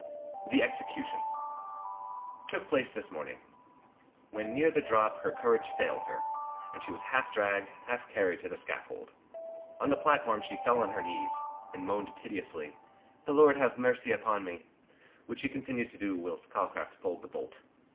THE EXECUTION Took place this morning. When near the drop her courage failed her, and she was half dragged, half carried to the scaffold. On the platform she fell on her knees, and moaned piteously, "The Lord have mercy upon me," which she continued to do whilst Calcraft pulled the bolt.